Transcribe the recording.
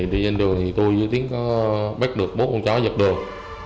đi lên đường thì tôi với tín có bắt được bốn con chó dập đường